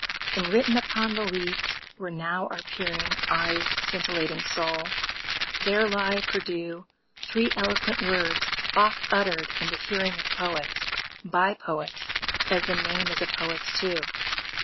Enwritten upon the leaf where now are peering Eyes scintillating soul, there lie perdus Three eloquent words oft uttered in the hearing Of poets, by poets—as the name is a poet's, too.